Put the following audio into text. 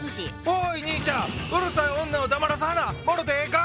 おいにいちゃんうるさい女を黙らす花もろてええか？